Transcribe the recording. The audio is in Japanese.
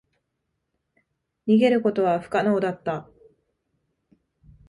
逃げることは不可能だった。